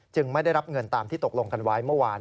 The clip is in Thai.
ไม่ได้รับเงินตามที่ตกลงกันไว้เมื่อวาน